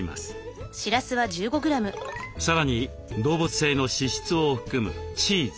さらに動物性の脂質を含むチーズ。